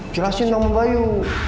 jelasin sama bayu